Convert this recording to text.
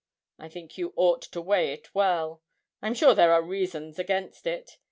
I think you ought to weigh it well I am sure there are reasons against it.